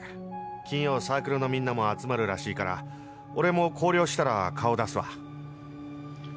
金曜サークルのみんなも集まるらしいから俺も校了したら顔出すわ！」。